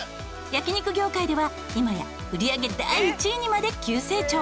焼肉業界では今や売り上げ第１位にまで急成長。